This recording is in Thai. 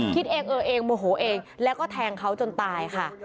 คิดเองเออเองโมโหเองแล้วก็แทงเขาจนตายค่ะ